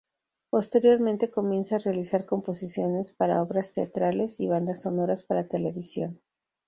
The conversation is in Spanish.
Posteriormente comienza a realizar composiciones para obras teatrales y bandas sonoras para televisión.